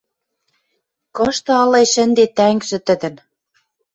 Кышты ылеш ӹнде тӓнгжӹ тӹдӹн?